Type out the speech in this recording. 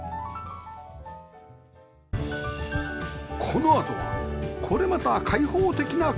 このあとはこれまた開放的な空間